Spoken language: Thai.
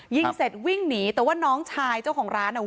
ยิงเสร็จวิ่งหนีแต่ว่าน้องชายเจ้าของร้านอ่ะ